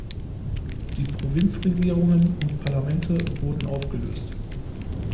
Die Provinzregierungen und -parlamente wurden aufgelöst.